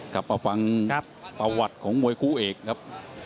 กลับมาฟังประวัติของมวยคู่เอกครับ